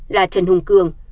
là trần hùng cường